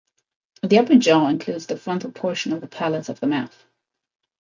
The upper jaw includes the frontal portion of the palate of the mouth.